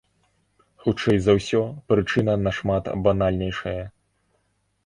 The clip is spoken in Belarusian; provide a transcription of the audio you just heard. Хутчэй за ўсё, прычына нашмат банальнейшая.